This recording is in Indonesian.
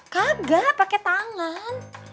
tidak pakai tangan